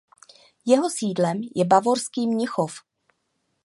Jeho sídlem je bavorský Mnichov.